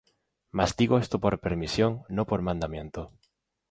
Mas esto digo por permisión, no por mandamiento.